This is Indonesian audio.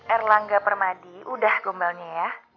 erlangga permadi udah gombalnya ya